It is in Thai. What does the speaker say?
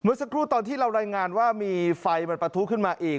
สักครู่ตอนที่เรารายงานว่ามีไฟมันประทุขึ้นมาอีก